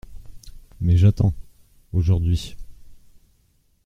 Mais j’attends, aujourd’hui…